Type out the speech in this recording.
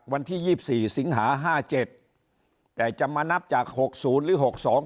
วันที่ยี่สิบสี่สิงหาห้าเจ็ดแต่จะมานับจากหกศูนย์หรือหกสอง